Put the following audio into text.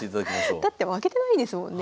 だって負けてないですもんね。